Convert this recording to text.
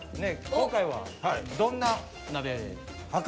今回はどんな鍋で？